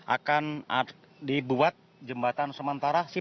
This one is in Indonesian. akan dibuat jembatan sementara